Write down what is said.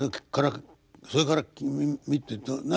それから君見て何？